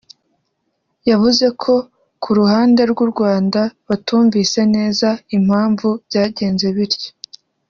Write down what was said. yavuze ko ku ruhande rw’ u Rwanda batumvise neza impamvu byagenze bityo